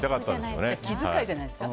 気遣いじゃないですか。